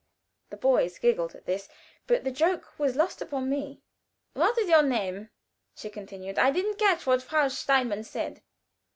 The boys giggled at this, but the joke was lost upon me. "What is your name?" she continued; "I didn't catch what Frau Steinmann said."